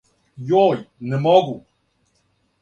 Јој, не могу!